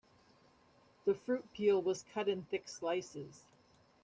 The fruit peel was cut in thick slices.